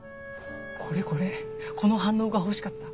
これこれこの反応が欲しかった。